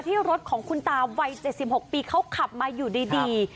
ที่รถของคุณตาวัย๗๖ปีเขาขับมาอยู่ดี